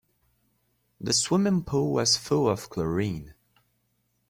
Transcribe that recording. The swimming pool was full of chlorine.